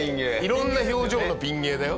色んな表情のピン芸だよ。